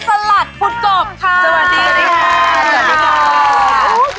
พุทธกบค่ะสวัสดีค่ะพุทธกบค่ะพุทธกบค่ะ